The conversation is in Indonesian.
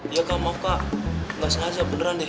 iya kak maka ga sengaja beneran deh